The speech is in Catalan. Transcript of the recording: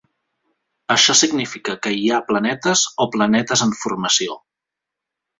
Això significa que hi ha planetes o planetes en formació.